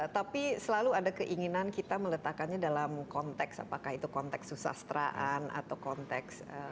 tapi selalu ada keinginan kita meletakkannya dalam konteks apakah itu konteks susastraan atau konteks